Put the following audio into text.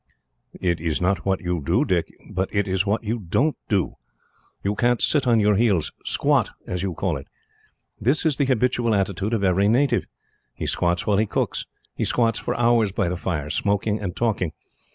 "It is not what you do, Dick, but it is what you don't do. You can't sit on your heels squat, as you call it. That is the habitual attitude of every native. He squats while he cooks. He squats for hours by the fire, smoking and talking.